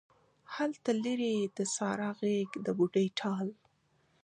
هلته لیرې د سارا غیږ د بوډۍ ټال